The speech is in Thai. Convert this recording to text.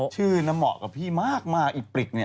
ชื่อน้ำเหมาะกับพี่มากอีปริกเนี่ย